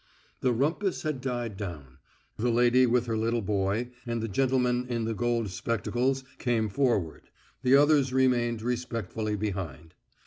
The rumpus had died down. The lady with her little boy, and the gentleman in the gold spectacles, came forward. The others remained respectfully behind.